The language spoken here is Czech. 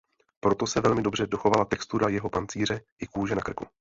Proto se velmi dobře dochovala textura jeho pancíře i kůže na krku.